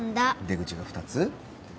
出口が２つ？